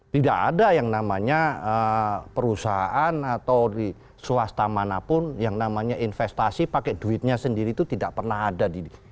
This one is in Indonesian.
tidak ada yang namanya perusahaan atau swasta manapun yang namanya investasi pakai duitnya sendiri itu tidak pernah ada di